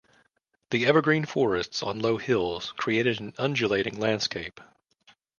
The evergreen forests on low hills create an undulating landscape.